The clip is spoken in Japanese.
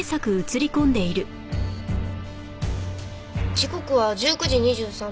時刻は１９時２３分。